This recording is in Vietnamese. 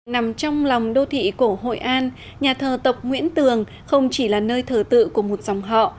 nằm trong lòng đô thị cổ hội an nhà thờ tộc nguyễn tường không chỉ là nơi thờ tự của một dòng họ